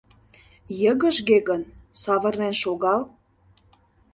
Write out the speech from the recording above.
— Йыгыжге гын, савырнен шогал!